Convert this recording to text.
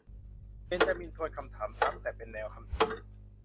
เบนจามินทวนคำถามซ้ำ แต่เป็นแนวคำสั่ง